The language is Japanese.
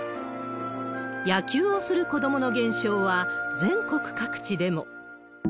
野球をする子どもの減少は全国各地でも。